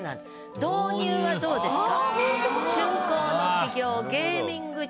「導入」はどうですか？